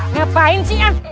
ngapain sih an